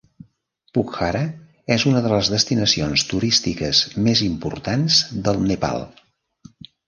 Pokhara és una de les destinacions turístiques més importants del Nepal.